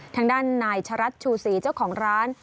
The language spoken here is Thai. ทางด้านนายชะรัฐชูศรีเจ้าของร้าน